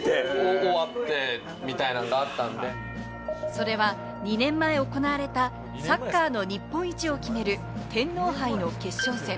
それは２年前行われたサッカーの日本一を決める天皇杯の決勝戦。